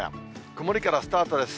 曇りからスタートです。